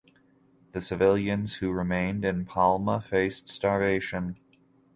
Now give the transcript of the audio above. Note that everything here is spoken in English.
The civilians who remained in Palma faced starvation.